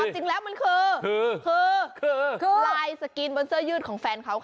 จริงแล้วมันคือลายสกรีนบนเสื้อยืดของแฟนเขาค่ะ